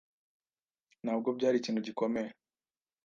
Ntabwo byari ikintu gikomeye.